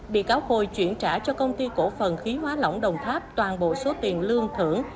bị cáo khôi chuyển trả cho công ty cổ phần khí hóa lỏng đồng tháp toàn bộ số tiền lương thưởng